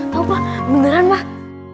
tahu pak beneran pak